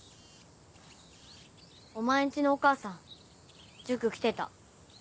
お前ん家のお母さん塾来てた。